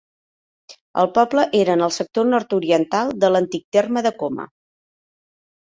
El poble era en el sector nord-oriental de l'antic terme de Coma.